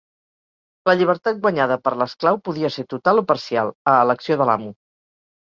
La llibertat guanyada per l'esclau podia ser total o parcial, a elecció de l'amo.